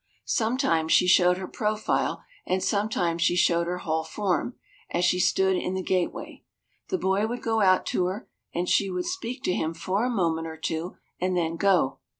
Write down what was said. Sometimes she showed her profile and sometimes she showed her whole form, as she stood in the gateway. The boy would go out to her and she would speak to him for a moment or two and then go.